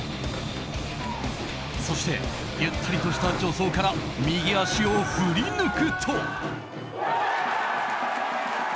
そして、ゆったりとした助走から右足を振り抜くと。